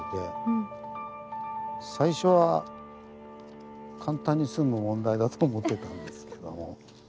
最初は簡単に済む問題だと思ってたんですけども。